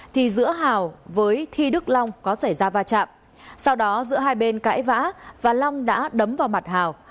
thì giữa hào với thi đức long có xảy ra va chạm sau đó giữa hai bên cãi vã và long đã đấm vào mặt hào